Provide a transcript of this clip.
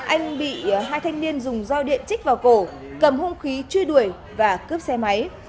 anh bị hai thanh niên dùng dao điện chích vào cổ cầm hung khí truy đuổi và cướp xe máy